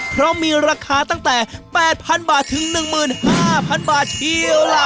เพราะมีราคาตั้งแต่๘๐๐๐บาทถึง๑๕๐๐บาทเชียวล่ะ